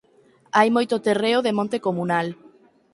Hai moito terreo de monte comunal.